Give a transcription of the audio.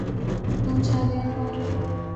زونگ چھا گیا فور